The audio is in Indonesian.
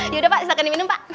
yaudah pak silahkan ini minum pak